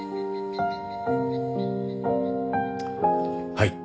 はい。